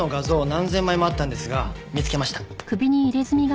何千枚もあったんですが見つけました。